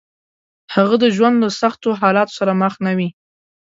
هغه د ژوند له سختو حالاتو سره مخ نه وي.